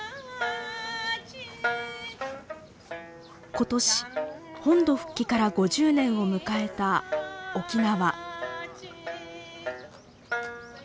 ことし本土復帰から５０年を迎えた沖縄。